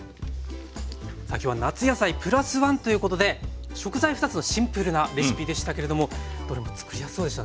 さあ今日は「夏野菜プラス１」ということで食材２つのシンプルなレシピでしたけれどもどれもつくりやすそうでしたね。